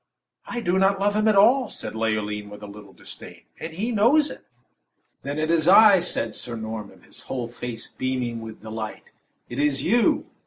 "I do not love him at all," said Leoline, with a little disdain, "and he knows it." "Then it is I!" said Sir Norman, him whole face beaming with delight. "It is you!"